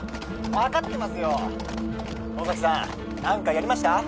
☎分かってますよ☎野崎さん何かやりました？